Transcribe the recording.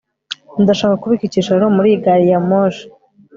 ndashaka kubika icyicaro muri iyi gari ya moshi